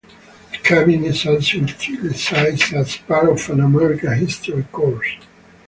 The Cabin is also utilized as part of an American History Course.